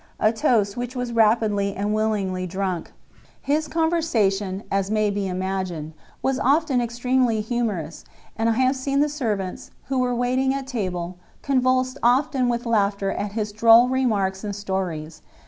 a toast which was rapidly and willingly drunk. His conversation, as may be imagined, was often extremely humorous, and I have seen the servants, who were waiting at table, convulsed often with laughter at his droll remarks and stories.